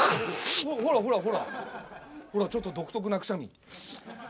ほらほらほらほらちょっと独特なくしゃみ。